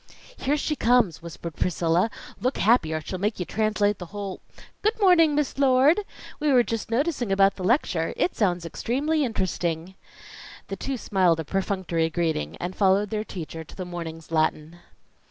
"Here she comes," whispered Priscilla. "Look happy or she'll make you translate the whole Good morning, Miss Lord! We were just noticing about the lecture. It sounds extremely interesting." The two smiled a perfunctory greeting, and followed their teacher to the morning's Latin.